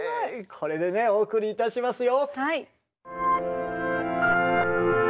これでねお送りいたしますよ。